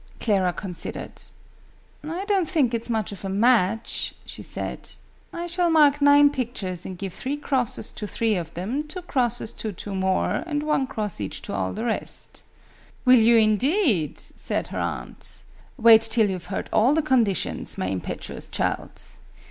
Clara considered. "I don't think it's much of a match," she said. "I shall mark nine pictures, and give three crosses to three of them, two crosses to two more, and one cross each to all the rest." "Will you, indeed?" said her aunt. "Wait till you've heard all the conditions, my impetuous child.